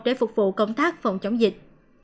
để phục vụ công tác phòng chống dịch